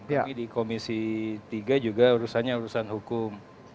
tapi di komisi tiga juga urusannya urusan hukum